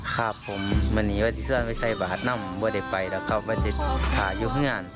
ครับผมมันยังว่าที่สุดไม่ใช่บ้านน้ำว่าเดี๋ยวไปแล้วเข้าว่าจะอยู่พรุ่งอ่าน